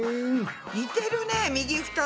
似てるね右２つ。